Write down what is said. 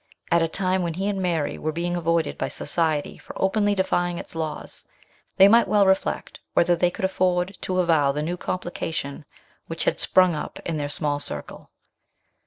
At a time when he and Mary were being avoided by society BIRTH OF A CHILD. 95 for openly defying its laws, they might well reflect whether they could afford to avow the new complica tion which had sprung up in their small circle.